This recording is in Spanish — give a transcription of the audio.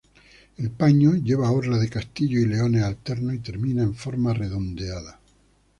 El paño lleva orla de castillos y leones alternos, y termina en forma redondeada.